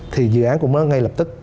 thì dự án của nó ngay lập tức